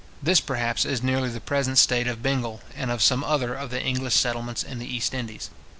This, perhaps, is nearly the present state of Bengal, and of some other of the English settlements in the East Indies.